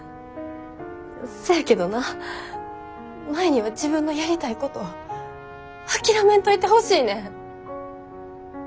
せやけどな舞には自分のやりたいこと諦めんといてほしいねん。